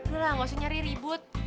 udah lah nggak usah nyari ribut